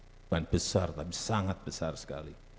bukan besar tapi sangat besar sekali